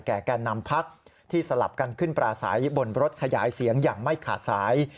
แก่แก่นำพักที่สลับกันขึ้นปราศัยบนรถขยายเสียงอย่างไม่ขาดสาย